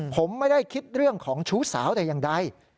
ผมไม่ได้คิดเรื่องของชู้สาวแต่อย่างใด